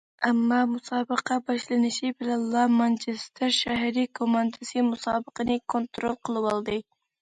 ئەمما مۇسابىقە باشلىنىشى بىلەنلا مانچېستېر شەھىرى كوماندىسى مۇسابىقىنى كونترول قىلىۋالدى.